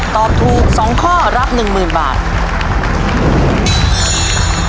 ตอบถูก๒ข้อรับ๑๐๐๐บาท